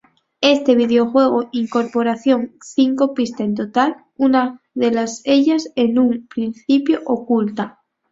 Este videojuego incorporación Cinco Pistas en total, una de Ellas En Un Principio oculta.